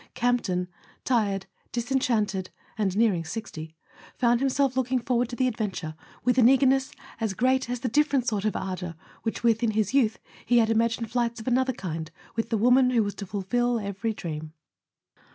Campton, tired, disen¬ chanted, and nearing sixty, found himself looking forward to the adventure with an eagerness as great A SON AT THE FRONT as the different sort of ardour with which, in his youth, he had imagined flights of another kind with the woman who was to fulfill every dream.